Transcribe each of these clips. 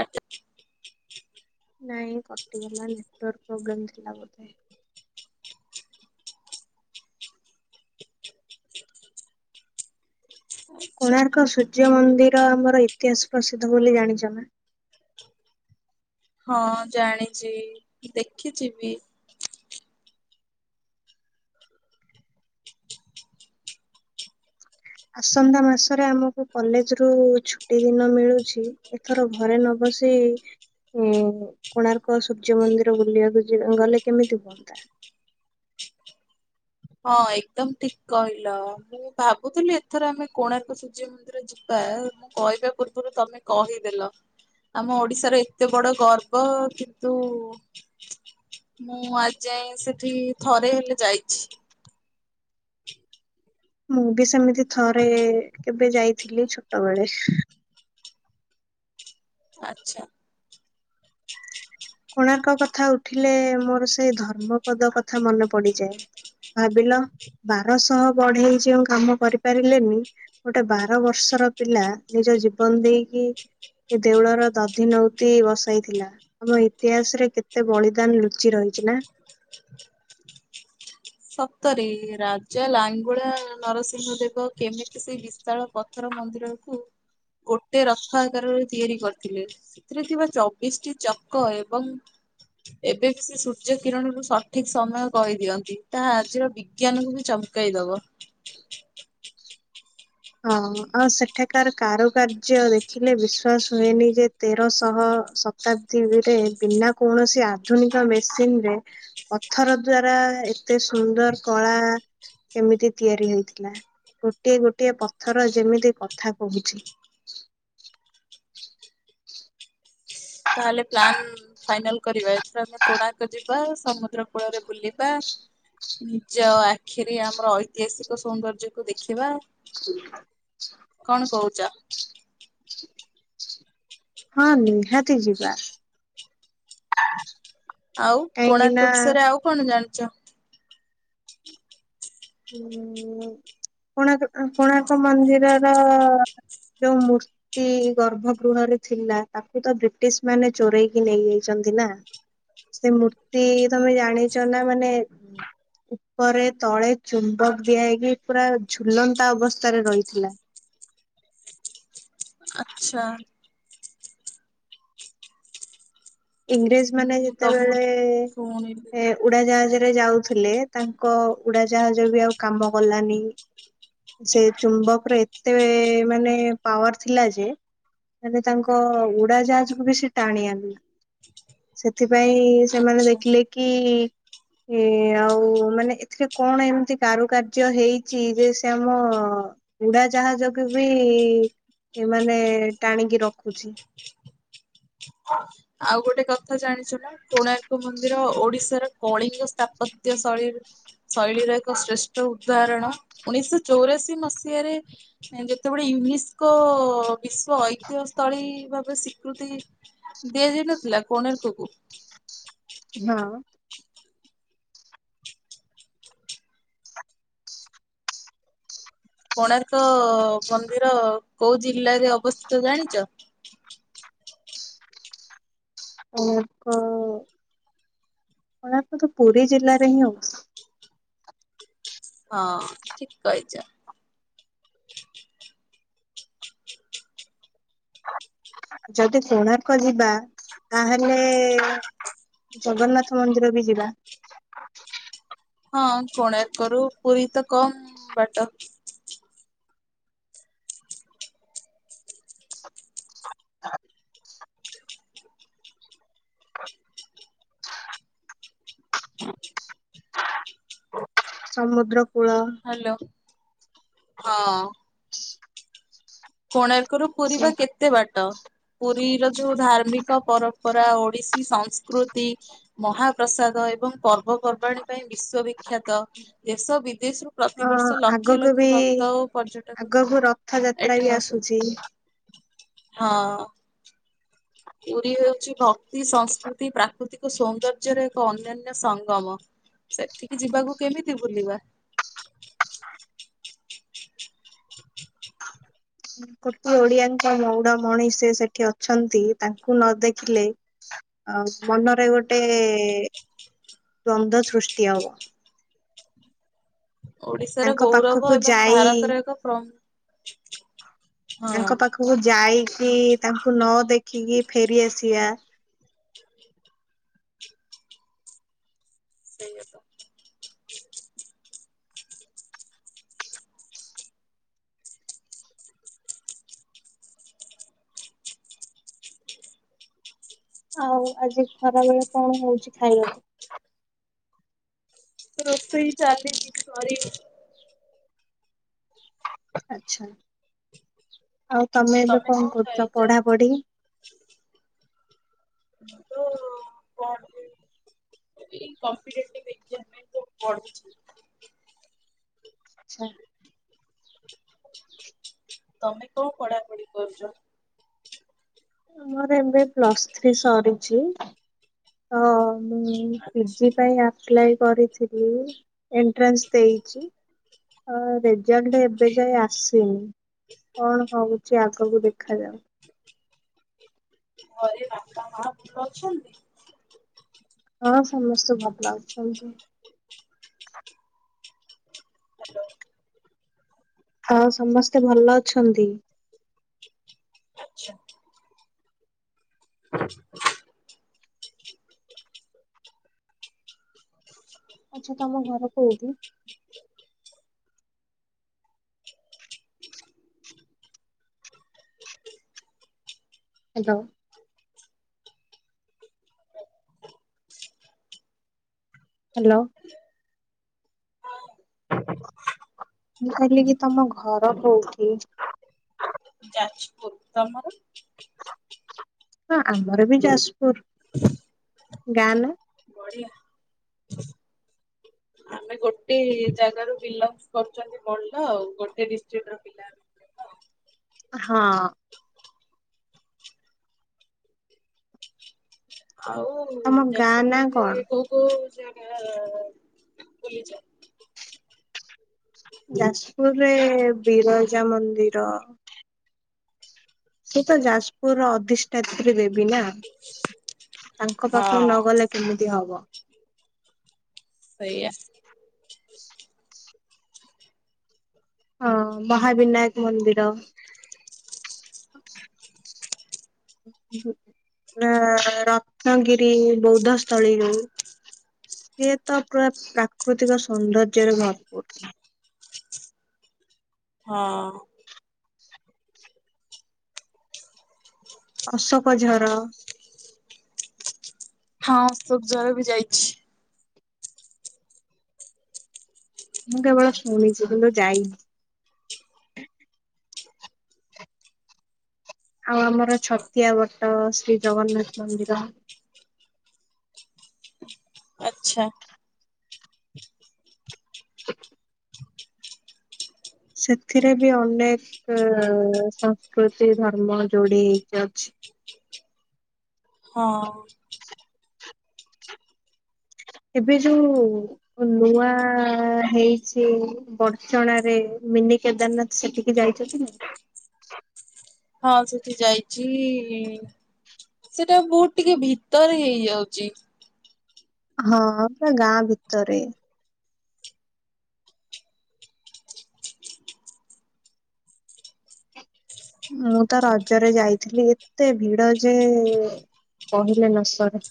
ଆ ନାଇଁ କଟିଗଲା network problem ଥିଲା ବୋଧେ ଷ୍ଟାଟସ୍। କୋଣାର୍କ ସୂର୍ଯ୍ୟ ମନ୍ଦିର ଆମର ଇତିହାସ ପ୍ରସିଦ୍ଧ ବୋଲି ଜାଣିଛ ମା ହଁ ଜାଣିଛି ଦେଖିଛି ବି ଆସନ୍ତା ମାସରେ ଆମକୁ କଲେଜ ରୁ ଛୁଟି ଦିନ ମିଳୁଛି ଥର ଘରେ ନ ବସି ଏ କୋଣାର୍କ ସୂର୍ଯ୍ୟ ମନ୍ଦିର ବୁଲିବାକୁ ଯ ଗଲେ କେମିତି ହୁଅନ୍ତା ହଁ ଏକଦମ ଠିକ କହିଲ ମୁଁ ଭାବୁଥିଲି ଏଥର ଆମେ କୋଣାର୍କ ସୁଝମୁ ଯିବା ମୁଁ କହିବା ପୂର୍ବରୁ ତମେ କହିଦେଲ ଆମ ଓଡିଶାର ଏତେ ବଡ ଗର୍ବ କିନ୍ତୁ ମୁଁ ଆ ଯାଇ ସେଠି ଥରେ ହେଲେ ଯାଇଛି ମୁଁ ବି ସେମିତି ଥରେ କେବେ ଯାଇଥିଲି ଛୋଟବେଳେ ଆଛା କୋଣାର୍କ କଥା ଉଠିଲେ ମୋର ସେଇ ଧର୍ମପଦ କଥା ମନେ ପଡିଯାଏ ଭାବିଲ ବାରଶହ ବଢେଇ ଯଉ କାମ କରିପାରିଲେନି ଗୋଟେ ବାର ବର୍ଷର ପିଲା ନିଜ ଜୀବନ ଦେଇକି ଏ ଦେଉଳର ଦଧି ନଉତି ବସାଇଥିଲା ଆମ ଇତିହାସ ରେ କେତେ ବଳିଦାନ ଲୁଚି ରହିଛି ନା ସତରେ ରାଜା ଲାଙ୍ଗୁଳା ନରସିଂହ ଦେବ କେମିତି ସେ ବିଶାଳ ଥର ମନ୍ଦିରକୁ ଗୋଟେ ରଥ ଆକାରରେ ତିଆରି କରିଥିଲେ ସେଥିରେ ଥିବା ଚବିଶଟି ଚକ ଏବଂ ଏବେ ବି ସେ ସୂର୍ଯ୍ୟ କିରଣରୁ ସଠିକ ସମୟ କହିଦିଅନ୍ତି ତା ଆଜିର ବିଜ୍ଞାନକୁ ବି ଚମକେଇ ଦବ ହଁ ଆଉ ସେଠାକାର କାରୁକାର୍ଯ୍ୟ ଦେଖିଲେ ବିଶ୍ଵାସ ହୁଏନି ଯେ ତେରଶହ ଶତାବ୍ଦୀରେ ବିନା କୌଣସି ଆଧୁନିକ ମେସିନ ରେ ପଥର ଦ୍ଵାରା ଏତେ ସୁନ୍ଦର କଳା। କେମିତି ତିଆରି ହେଇଥିଲା ଗୋଟିଏ ଗୋଟିଏ ପଥର ଯେମିତି କଥା କହୁଛି। ତାହେଲେ ପ୍ଲାନ ଫାଇନାଲ କରିବା ଏଥିରେ ଆମେ କୋଣାର୍କ ଯିବା ସମୁଦ୍ର କୁଳରେ ବୁଲିବା। ନିଜ ଆଖିରେ ଆମର ଐତିହାସିକ ସୌନ୍ଦର୍ଯ୍ୟକୁୁ ଦେଖିବା। ଶ କଣ କହୁଛ। ହଁ ନିହାତି ଯିବା। ଆଉ କାହିଁକି ନା କୋଣାର୍କ ବିଷୟରେ ଆଉ କଣ ଜାଣିଛ। ହଁ କୋଣାର୍କ କୋଣାର୍କ ମନ୍ଦିରର ଯୋଉ ମୂର୍ତ୍ତି ତି ଗର୍ଭ ଗୃହରେ ଥିଲା ତାକୁ ତ ବ୍ରିଟିଶ ମାନେ ଚୋରେଇକି ନେଇଯାଇଛନ୍ତି ନା। ସେ ମୂର୍ତ୍ତି ତମେ ଜାଣିଛ ନା ମାନେ ଉପରେ ତଳେ ଚୁମ୍ବକ ଦିଆ ହେଇକି ପୁରା ଝୁଲନ୍ତା ଅବସ୍ଥାରେ ରହିଥିଲା। ଆଚ୍ଛା। ଇଂରେଜ ମାନେ ମୁଁ ଯେତେବେଳେ ତମଠୁ ଶୁଣିଲି ହେ ଉଡାଜାହାଜରେ ଯାଉଥିଲେ ତାଙ୍କ ଉଡାଜାହାଜ ବି ଆଉ କାମ କଲାନି। ସେ ଚୁମ୍ବକ ର ଏତେ ମାନେ ପାୱାର ଥିଲା ଯେ। ମାନେ ତାଙ୍କ ଉଡା ଜାହାଜକୁୁ ବି ସେ ଟାଣି ଆଣିଲା। ସେଥିପାଇଁ ସେମାନେ ଆଚ୍ଛା। ଦେଖିଲେ କି। ଏ ଆଉ ମାନେ ଏଥିରେ କଣ ଏମିତି କାରୁକାର୍ଯ୍ୟ ହେଇଛି ଯେ ସେ ଆମ ଉଡା ଜାହାଜକୁ ବି ଏମାନେ ଟାଣିକି ରଖୁଛି। ଆଉ ଗୋଟେ କଥା ଜାଣିଛ ନା। କୋଣାର୍କ ମନ୍ଦିର ଓଡିଶାର କଳିଙ୍ଗ ସ୍ଥାପତ୍ୟ ଶୈଳୀ ଶୈଳୀର ଏକ ଶ୍ରେଷ୍ଠ ଉଦାହରଣ ଉଣେଇଶ ଚଉରାସୀ ମସିହାରେ। ଯେତେବେଳେ ୟୁନେସ୍କୋ ବିଶ୍ଵ ଐତିହସ୍ତ ଶୈଳୀ ଭାବେ ଶିଖୁ ଦିଅ ଯାଇନଥିଲା କୋଣାର୍କ କୁ। ହଁ। କୋଣାର୍କ ମନ୍ଦିର କୋଉ ଜିଲ୍ଲାରେ ଅବସ୍ଥିତ ଜାଣିଛ? କୋଣାର୍କ କୋଣାର୍କ ତ ପୁରୀ ଜିଲ୍ଲାରେ ହିଁ ଅବସ୍ତିତ। ହଁ ଠିକ କହିଛ। ଯଦି କୋଣାର୍କ ଯିବା ତାହେଲେ। ଜଗନ୍ନାଥ ମନ୍ଦିର ବି ଯିବା। ହଁ କୋଣାର୍କ ରୁ ପୁରୀ ତ କମ ବାଟ। ହ ସମୁଦ୍ର କୂଳ। ହ୍ୟାଲୋ ହଁ। କୋଣାର୍କରୁ ପୁରୀ ବା କେତେ ବାଟ ପୁରୀର ଯୋଉ ଧାର୍ମିକ ପର ପରମ୍ପରା ଓଡିଶୀ ସଂସ୍କୃତି। ମହାପ୍ରସାଦ ଏବଂ ପର୍ବପର୍ବାଣୀ ପାଇଁ ବିଶ୍ଵ ବିଖ୍ୟାତ ଦେଶ ବିଦେଶରୁ ଅ ପ୍ରତିବର୍ଷ ଲକ୍ଷ ଲକ୍ଷ ଭକ୍ତ ଓ ପର୍ଯ୍ୟଟକ। ସବୁ ରଥ ଯାତ୍ରା ବି ଏଠାକୁ ଆସନ୍ତି। ଆସୁଛି। ହଁ। ପୁରୀ ହେଉଛି ଭକ୍ତି ସଂସ୍କୃତି ପ୍ରାକୃତିକ ସୌନ୍ଦର୍ଯ୍ୟର ଏକ ଅନ୍ୟାନ୍ୟ ସଙ୍ଗମ। ସେଠିକି ଯିବାକୁ କେମିତି ବୁଲିବା। [inaudible] କୋଟି ଓଡିଆଙ୍କ ମଉଡ ମଣିସେ ସେଠି ଅଛନ୍ତି ତାଙ୍କୁ ନ ଦେଖିଲେ। ଆ ମନରେ ଗୋଟେ ଦ୍ଵନ୍ଦ ସୃଷ୍ଟି ହବ। [inaudible] ଓଡିଶାର ତାଙ୍କ ଗୌରବ ପାଖକୁ ଏବଂ ଯାଇ ଭାରତର ଏକ ପ୍ରମ ତାଙ୍କ ପାଖକୁ ଯାଇକି ତାଙ୍କୁ ନ ଦେଖିକି ଫେରିଆସିବା। ସେଇ ତ ଆଉ ଆଜି ଖରାବେେଳେ କଣ ହଉଛି ଖାଇବାକୁ େ ଚାିଲ ସରି [inaudible] ଆଛା ଆଉ ତମେ ଏବେ କଣ କରୁଛ ପଢାପଢି ତ କ [inaudible] [inaudible] ଆଛା ତମେ କଣ ପଢାପଢି କରୁଛ ଆମର ଏବେ ପ୍ଲସ୍ ଥ୍ରୀ ସରିଛି ତ ମୁଁ ପିଜି ଆଚ୍ଛା ପାଇଁ ଆପ୍ଲାଏ କରିଥିଲି ଏଣ୍ଟ୍ରାନ୍ସ ଦେଇଛି ହଁ ରେଜଲ୍ଟ ଏବେ ଯାଇ ଆସିନି କଣ ହଉଛି ଆଗକୁ ଦେଖାାଯାଉ ଘରେ ବାପା ମା ଭୁଲ ଅଛନ୍ତି ହଁ ସମସ୍ତେ ଭଲ ଲଉଛନ୍ତି ଆଚ୍ା [inaudible] ହଁ ସମସ୍ତେ ଭଲ ଅଛନ୍ତି ଆଛାା ହ ଆଚ୍ଛା ତମ ଘର କଉଠି ହ୍ୟାଲୋ ହ୍ୟାଲୋ ମୁଁ କହିଲି କି ତମ ଘର କୋଉଠି ଯାଛି [unintelligible] ତମର ହଁ ଆମର ବି ଯାଜପୁର ଗାଁ ନା ବଢିଆ ଆମେ ଗୋଟେ ଜାଗା ର ବିଲଙ୍ଗ କରୁଛନ୍ତି ମଲଣ୍ଡ ଆଉ ଗୋଟେ ଡିଷ୍ଟ୍ରିକ୍ଟ ର ପିଲା ହଁ ଆଉ ତମ ଗାଁ ନା ଯାଜପୁରରେ କଣ କୋଉ କୋଉ ଜାଗା ବୁଲିଯା ଯାଜପୁରରେ ବିରଜା ମନ୍ଦିର ସେ ତ ଯାଜପୁରର ଅଧିଷ୍ଠାତ୍ରୀ ଦେବୀ ନା ତାଙ୍କ ପାଖକୁ ହଁ ନ ଗଲେ କେମିତି ହବ? ସେଇଆ। ହଁ ମହାବିନାୟକ ମନ୍ଦିର। ହ। ଆଁ ରତ୍ନଗିରି ବୌଦ୍ଧ ସ୍ଥଳୀ ଯଉ। ସିଏ ତ ପୁରା ପ୍ରାକୃତିକ ସୌନ୍ଦର୍ଯ୍ୟରେ ଭରପୁର। ହଁ। ଅଶୋକ ଝର। ହଁ ସବୁ ଜର ବି ଯାଇଛି। ମୁଁ କେବଳ ଶୁଣିଛି କିନ୍ତୁ ଯାଇନି। ଆଉ ଆମର ଛତିଆ ବଟ ଶ୍ରୀ ଜଗନ୍ନାଥ ମନ୍ଦିର। ଆଛା। [inaudible] ସେଥିରେ ବି ଅନେକ ସଂସ୍କୃତି ଧର୍ମ ଯୋଡିହେଇକି ଅଛି। ହଁ। ଏବେ ଯୋଉ ନୂଆ ହେଇଛି। ବଡ଼ଚଣାରେ ମିନି କେଦାରନାଥ ସେଠିକି ଯାଇଛନ୍ତି ନା ହଁ ସେଠି ଯାଇଛି ସେଟା ବହୁତ ଟିକେ ଭିତରେ ହେଇଯାଉଚି। ହଁ ପୁରା ଗାଁ ଭିତରେ। ମୁଁ ତ ରଜରେ ଯାଇଥିଲି ଏତେ ଭିଡ ଯେ କହିଲେ ନ ସରେ।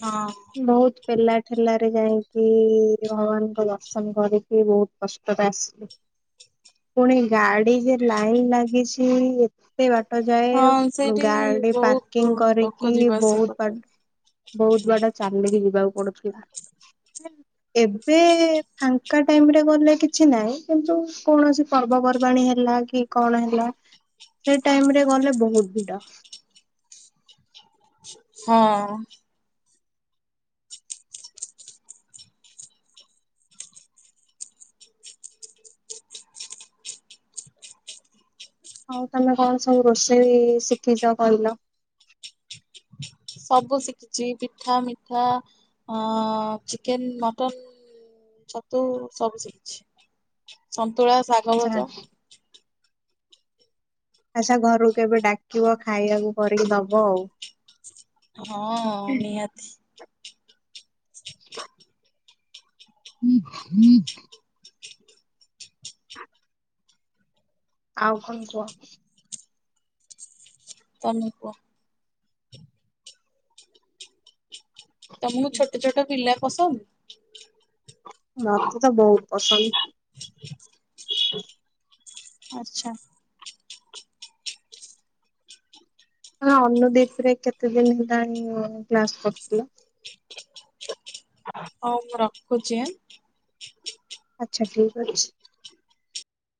ହଁ। ବହୁତ ପେଲା ଠେଲାରେ ଯାଇକି ଭଗବାନଙ୍କ ଦର୍ଶନ କରିକି ବହୁତ କଷ୍ଟ [unintelligible] ଆସଲି। ପୁଣି ଗାଡି ଯେ ଲାଇନ୍ ଲାଗିଛି ସେ ବାଟ ହଁ ଯାଏ ସେଇଠି ଗାଡି ପାର୍କିଂ ବହୁତ ଲୋକ କରିକି ଯିବା ଆସିବା ବହୁତ କରୁଛନ୍ତି। ବହୁତ ବାଟ ଚାଲିକି ଯିବାକୁ ଯାଉ ପଡୁଥିଲା। ଏବେ ଫାଙ୍କା ଟାଇମ ରେ ଗଲେ କିଛି ନାହିଁ କିନ୍ତୁ କୌଣସି ପର୍ବପର୍ବାଣୀ ହେଲା କି କଣ ହେଲା। ସେଇ ଟାଇମ ରେ ଗଲେ ବହୁତ ଭିଡ। ହଁ। ହଉ ତମେ କଣ ସବୁ ରୋଷେଇ ଶିଖିଛ କହିଲ। ସବୁ ଶିଖିଛି ପିଠା ମିଠା ଅ ଚିକେନ, ମଟନ। ଛତୁ ସବୁ ଶିଖିଛି ସନ୍ତୁଳା, ଶାଗ ଆଚ୍ଛା ଭଜା। ଆସ ଘରକୁ କେବେ ଡାକିବ ଖାଇବାକୁ କରିକି ଦବ ଆଉ। ହଁ ନିହାତି। [inaudible] ହୁଁ, ହୁଁ। ଆଉ କଣ କୁହ। ତମେ କୁହ। ତମକୁ ଛୋଟ ଛୋଟ ପିଲା ପସନ୍ଦ? ମତେ ତ ବହୁତ ପସନ୍ଦ। ଆଛା। ଅନୁଦୀପ ରେ କେତେ ଦିନ ହେଲାଣି କ୍ଲାସ କରୁଥିଲେ। [inaudible] ହଉ ମୁଁ ରଖୁଚି ଆଁ। ଆଛା ଠିକ ଅଛି।